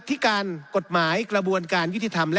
ได้มีการตั้งกรรมนิการของสภานิติบัญญัติ